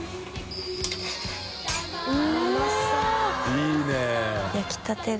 いいね。